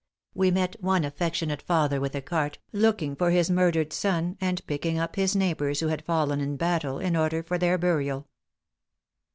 We met one affectionate father with a cart, looking for his murdered son, and picking up his neighbors who had fallen in battle, in order for their burial."